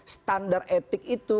standar etik itu